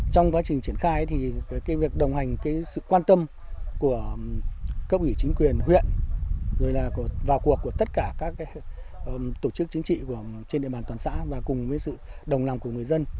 trong quá trình triển khai thì việc đồng hành sự quan tâm của cấp ủy chính quyền huyện rồi là vào cuộc của tất cả các tổ chức chính trị trên địa bàn toàn xã và cùng với sự đồng lòng của người dân